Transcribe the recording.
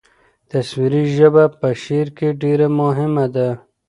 تصویري ژبه په شعر کې ډېره مهمه ده.